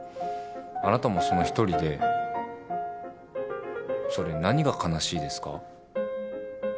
あなたもその１人でそれ何が悲しいですか？